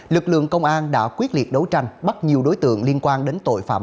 lực lượng công an đã quyết liệt đấu tranh bắt nhiều đối tượng liên quan đến tội phạm